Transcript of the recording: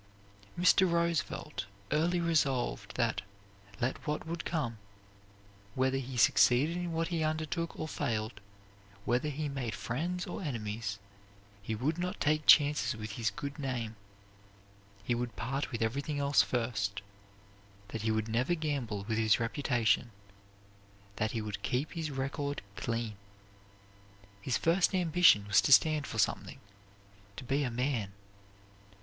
Mr. Roosevelt early resolved that, let what would come, whether he succeeded in what he undertook or failed, whether he made friends or enemies, he would not take chances with his good name he would part with everything else first; that he would never gamble with his reputation; that he would keep his record clean. His first ambition was to stand for something, to be a man.